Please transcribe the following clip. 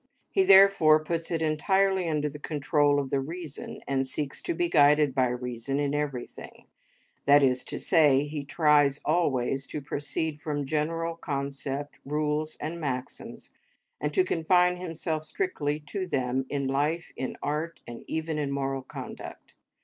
He, therefore, puts it entirely under the control of the reason, and seeks to be guided by reason in everything; that is to say, he tries always to proceed from general concepts, rules, and maxims, and to confine himself strictly to them in life, in art, and even in moral conduct.